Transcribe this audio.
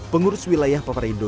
pengurus wilayah peparindo